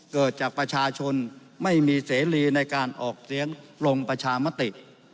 เกิดจากประชาชนไม่มีเสรีในการออกเสียงลงประชามติ